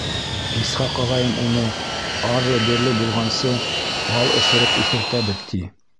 Исхаҡ ағайым уны, арлы-бирле булғансы, бал эсереп иҫертәбеҙ, ти.